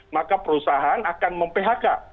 maka perusahaan akan memphk